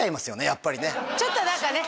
やっぱりねちょっと何かね